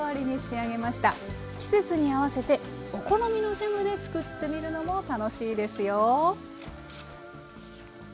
季節に合わせてお好みのジャムで作ってみるのも楽しいですよ。